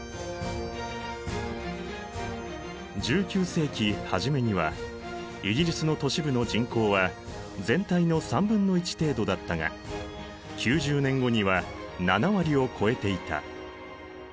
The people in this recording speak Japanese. １９世紀初めにはイギリスの都市部の人口は全体の1/3程度だったが９０年後には７割を超えていた。